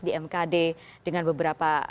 di mkd dengan beberapa